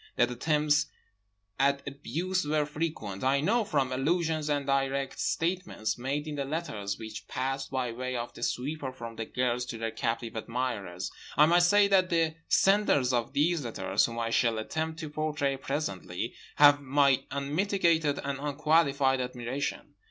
That attempts at abuse were frequent I know from allusions and direct statements made in the letters which passed by way of the sweeper from the girls to their captive admirers. I might say that the senders of these letters, whom I shall attempt to portray presently, have my unmitigated and unqualified admiration.